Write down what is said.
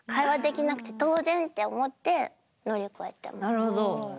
なるほど。